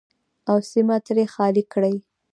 او سیمه ترې خالي کړي.